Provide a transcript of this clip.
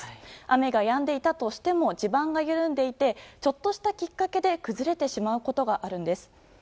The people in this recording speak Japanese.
雨がやんでいたとしても地盤が緩んでいてちょっとしたきっかけで崩れてしまうこともあるんです。